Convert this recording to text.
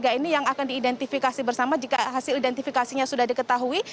tiga ini yang akan diidentifikasi bersama jika hasil identifikasinya sudah diketahui